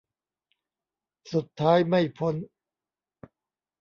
สุดท้ายไม่พ้น